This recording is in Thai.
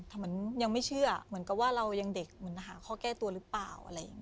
แต่เหมือนยังไม่เชื่อเหมือนกับว่าเรายังเด็กเหมือนหาข้อแก้ตัวหรือเปล่าอะไรอย่างนี้